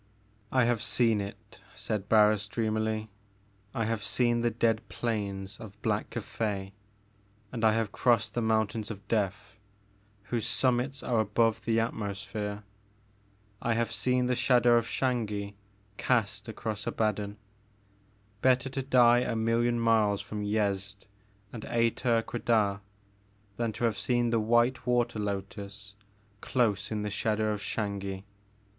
"I have seen it," said Barris dreamily. "I have seen the dead plains of Black Cathay and I have crossed the mountains of Death, whose summits are above the atmosphere. I have seen the shadow of Xangi cast across Abaddon. Bet ter to die a million miles from Yezd and Ater Quedah than to have seen the white water lotus dose in the shadow of Xangi